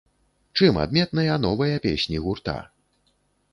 Чым адметныя новыя песні гурта?